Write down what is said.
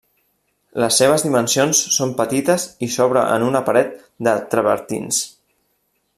Les seves dimensions són petites i s'obre en una paret de travertins.